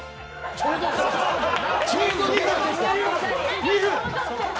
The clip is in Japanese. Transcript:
ちょうど２分。